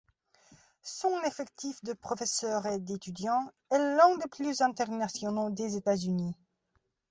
Son effectif de professeurs et d'étudiants est l'un des plus internationaux des États-Unis.